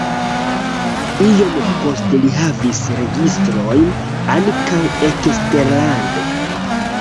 Iom poste li havis registrojn ankaŭ eksterlande.